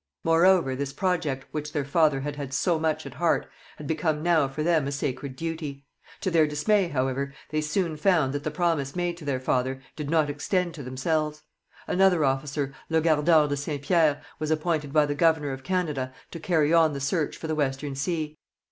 Moreover, this project, which their father had had so much at heart, had become now for them a sacred duty. To their dismay, however, they soon found that the promise made to their father did not extend to themselves. Another officer, Legardeur de Saint Pierre, was appointed by the governor of Canada to carry on the search for the Western Sea.